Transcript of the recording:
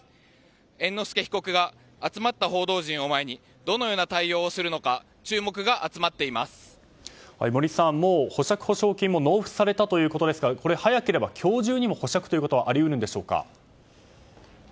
猿之助被告が集まった報道陣を前にどのような対応をするのか森さん、もう保釈保証金も納付されたということですがこれ早ければ、今日中にも保釈ということがあり得るんでしょうか。